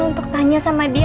untuk tanya sama dia